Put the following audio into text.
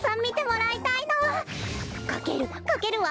かけるかけるわ！